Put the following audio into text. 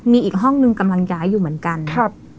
มีอีกห้องนึงกำลังย้ายอยู่เหมือนกันครับ